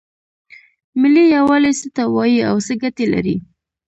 ملي یووالی څه ته وایې او څه ګټې لري؟